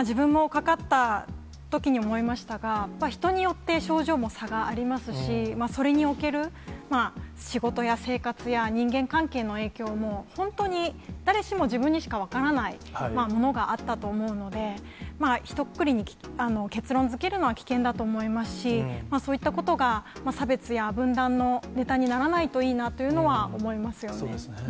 自分もかかったときに思いましたが、人によって症状に差がありますし、それにおける仕事や生活や人間関係の影響も、本当に、誰しも自分にしか分からないものがあったと思うので、一くくりに結論づけるのは危険だと思いますし、そういったことが差別や分断のねたにならないといいなというのはそうですね。